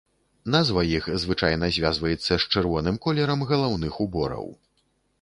Назва іх звычайна звязваецца з чырвоным колерам галаўных убораў.